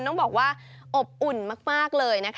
ต้องบอกว่าอบอุ่นมากเลยนะคะ